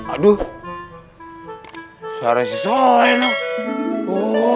aduh soleh soleh noh